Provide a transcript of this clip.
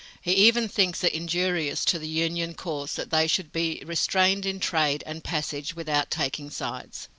He even thinks it injurious to the Union cause that they should be restrained in trade and passage without taking sides.